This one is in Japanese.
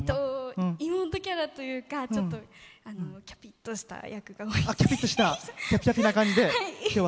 妹キャラというかちょっと、キャピっとした役が多いです。